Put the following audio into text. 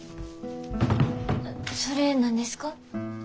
それ何ですか？